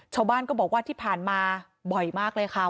ชาวบ้านก็บอกว่าที่ผ่านมาบ่อยมากเลยค่ะ